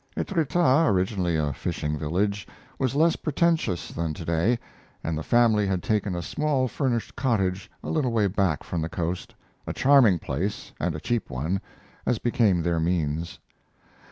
Etretat, originally a fishing village, was less pretentious than to day, and the family had taken a small furnished cottage a little way back from the coast a charming place, and a cheap one as became their means.